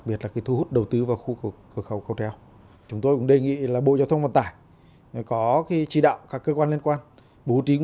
tuyến đường tám đi qua khu vực hà tĩnh đến cửa khẩu cầu treo là một tuyến đường hiệt sức quan trọng